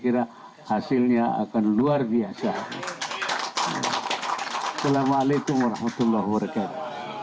kira hasilnya akan luar biasa selama alaikum warahmatullah wabarakatuh